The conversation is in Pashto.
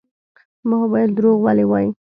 ما وويل دروغ ولې وايې.